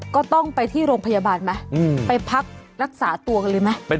ก็ต้องไปที่โรงพยาบาลไหมไปพักรักษาตัวกันเลยไหม